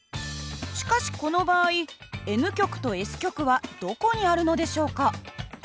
しかしこの場合Ｎ極とＳ極はどこにあるのでしょうか？